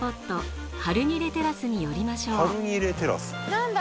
何だ？